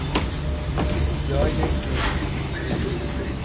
جای سیخ